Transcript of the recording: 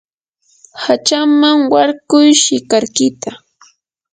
hachaman warkuy shikarkita.